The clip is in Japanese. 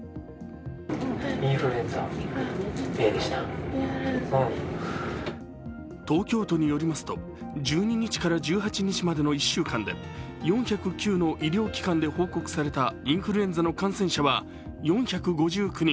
その診断の結果は東京都によりますと１２日から１８日までの１週間で４０９の医療機関で報告されたインフルエンザの感染者は４５９人。